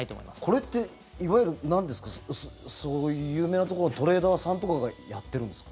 これって、いわゆるそういう有名なところトレーダーさんとかがやってるんですか？